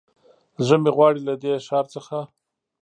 زړه مې غواړي له دې ښار څخه